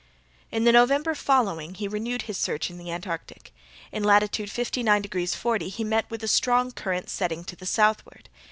In the November following he renewed his search in the Antarctic. In latitude 59 degrees 40' he met with a strong current setting to the southward.